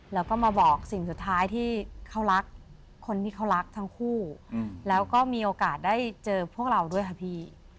แล้วก็มาบอกสิ่งสุดท้ายที่เขารักคนที่เขารักทั้งคู่แล้วก็มีโอกาสได้เจอพวกเราด้วยค่ะพี่